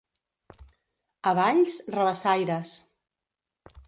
A Valls, rabassaires.